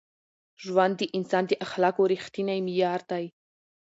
ژوند د انسان د اخلاقو رښتینی معیار دی.